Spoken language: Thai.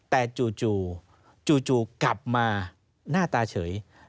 แต่จู่จู่กลับมาหน้าตาเฉย